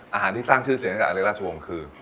อาหารที่สร้างชื่อเสียงให้กับอเล็กราชวงศ์คือ